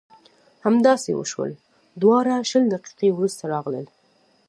همداسې وشول دواړه شل دقیقې وروسته راغلل.